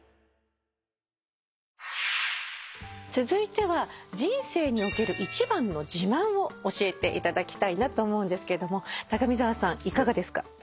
続いては「人生における１番の自慢」を教えていただきたいなと思うんですけども高見沢さんいかがですか？